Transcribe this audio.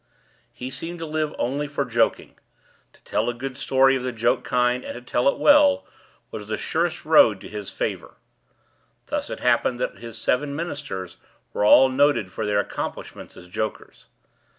He seemed to live only for joking. To tell a good story of the joke kind, and to tell it well, was the surest road to his favor. Thus it happened that his seven ministers were all noted for their accomplishments as jokers.